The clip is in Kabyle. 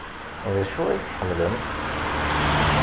D acu ay tḥemmlem?